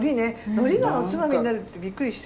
海苔がおつまみになるってびっくりして。